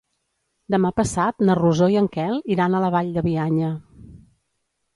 Demà passat na Rosó i en Quel iran a la Vall de Bianya.